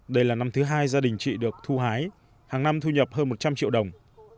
đây là năm thứ hai gia đình chị được thu hái hàng năm thu nhập hơn một trăm linh triệu đồng